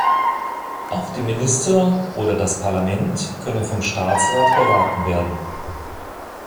Auch die Minister oder das Parlament können vom Staatsrat beraten werden.